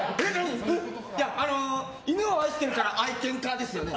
あの、犬を愛してるから愛犬家ですよね。